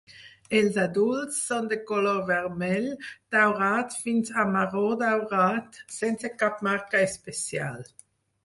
Els adults són de color vermell daurat fins a marró daurat, sense cap marca especial.